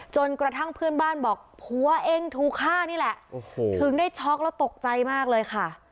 จนกระทั่งเพื่อนบ้านบอกผัวเองถูกฆ่านี่แหละถึงได้ช็อกแล้วตกใจมากเลยค่ะ